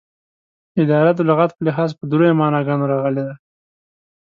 اداره دلغت په لحاظ په دریو معناګانو راغلې ده